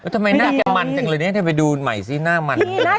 ทำไมน่าจะมันแบบนี้ไปดูใหม่สิหน้ามันน่ะ